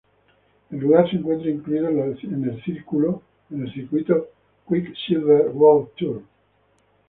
El lugar se encuentra incluido en el circuito Quicksilver World Tour.